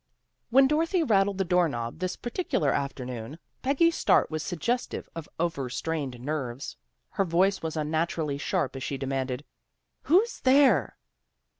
When Dorothy rattled the door knob this particular afternoon, Peggy's start was sugges tive of over strained nerves. Her voice was unnaturally sharp as she demanded, "who's there?